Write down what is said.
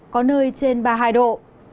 có nơi trên ba mươi hai độ